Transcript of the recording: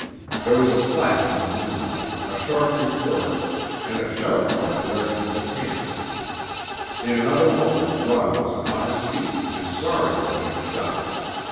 There was a flash in the moonlight, a sharp report, and a shout from the direction of the camp. In another moment Rod was upon his feet, and sorry that he had shot.